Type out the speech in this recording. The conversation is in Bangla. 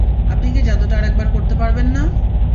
আপনি কি জাদুটা আরেকবার করতে পারবেন না?